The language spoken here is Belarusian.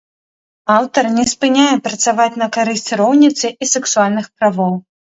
Аўтар не спыняе працаваць на карысць роўніцы і сексуальных правоў.